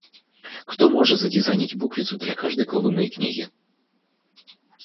Кто может задизайнить буквицу для каждой главы моей книги?